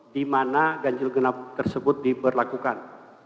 di mana ganjil genap tersebut diberlakukan